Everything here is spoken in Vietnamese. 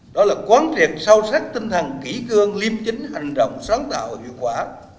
đó là quán triệt sâu sắc tinh thần kỹ cương liêm chính hành động sáng tạo và hiệu quả